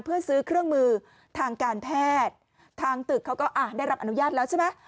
เพื่อซื้อเครื่องมือทางการแพทย์ทางตึกเขาก็อ่ะได้รับอนุญาตแล้วใช่ไหม